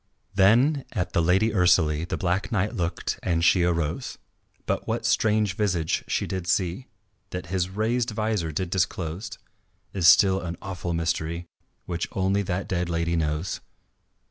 Then at the Lady Ursalie The Black Knight looked and she arose. But what strange visage she did see That his raised vizor did disclose Is still an awful mystery Which only that dead lady knows.